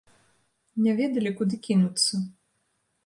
Не ведалі, куды кінуцца.